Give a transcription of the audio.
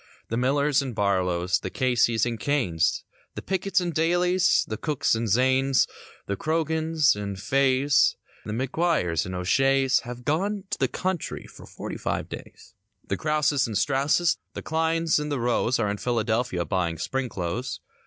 68 The Millers and Barlows; the Caseys and Kanes; The Picketts and Daileys; the Cooks and Zanes; The Crogans and Faheys, McGuires and O'Sheas, Have gone to the country for forty five days. The Krauses and Strauses; the Klines and the Roes Are in Philadelphia buying spring clothes.